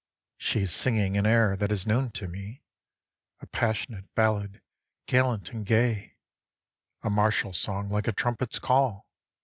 She is singing an air that is known to me, A passionate ballad gallant and gay, A martial song like a trumpet's call!